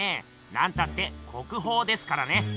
なんたって国宝ですからね。